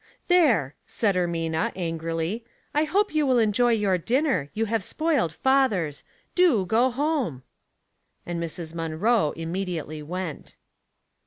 " There !" said Eimina, angrily. " I hope you will enjoy your dinner ; you have spoiled father's. Do go home." And Mrs. Munroe immediately went.